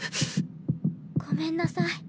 ごめんなさい。